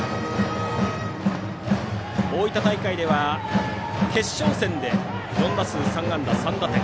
大分大会では決勝戦で４打数３安打３打点。